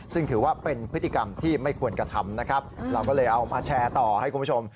ซึ่งถือว่าเป็นพฤติกรรมที่ไม่ควรกระทำนะครับเราก็เลยเอามาแชร์ต่อให้คุณผู้ชม